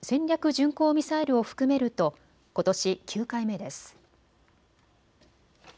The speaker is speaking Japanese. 巡航ミサイルを含めるとことし９回目です。